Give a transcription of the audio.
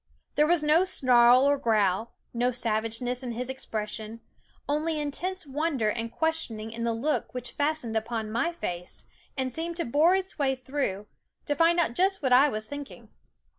There was no snarl or growl, no savageness in his expression ; only intense wonder and questioning in the look which fastened upon my face and seemed to bore its way through, to find out just what I was thinking.